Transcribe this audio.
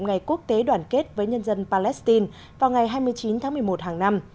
ngày quốc tế đoàn kết với nhân dân palestine vào ngày hai mươi chín tháng một mươi một hàng năm